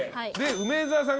梅沢さん。